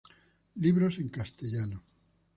Libros en Castellano